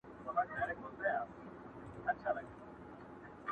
ډېر دي له لمني او ګرېوانه اور اخیستی دی.!